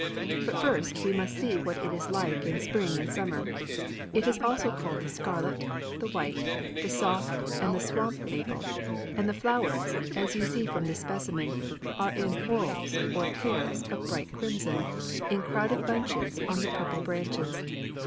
But first we must see what it is like in spring and summer. It is also called the scarlet, the white, the soft and the swamp maple, and the flowers, as you see from this specimen, are in whorls, or pairs, of bright crimson, in crowded bunches on the purple branches.